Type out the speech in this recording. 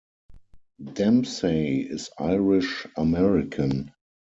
Dempsey is Irish American.